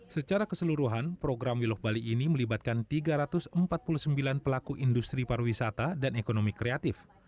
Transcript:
secara keseluruhan program wiloh bali ini melibatkan tiga ratus empat puluh sembilan pelaku industri pariwisata dan ekonomi kreatif